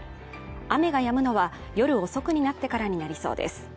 雨が止むのは夜遅くになってからになりそうです。